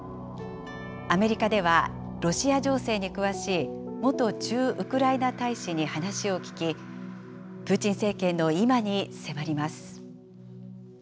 アメリカでは、ロシア情勢に詳しい元駐ウクライナ大使に話を聞き、プーチン政権の今に迫ります。